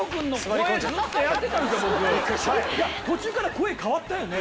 途中から声変わったよね。